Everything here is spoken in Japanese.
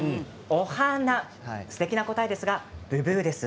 すてきな答えですがブブーです。